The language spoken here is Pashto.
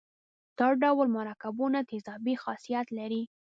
دا ډول مرکبونه تیزابي خاصیت لري.